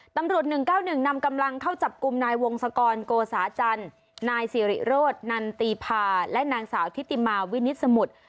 ๑๙๑นำกำลังเข้าจับกลุ่มนายวงศกรโกสาจันทร์นายสิริโรธนันตีพาและนางสาวทิติมาวินิตสมุทร